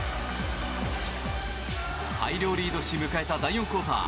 大量リードし迎えた第４クオーター。